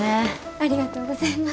ありがとうございます。